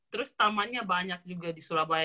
terus tamannya banyak juga di surabaya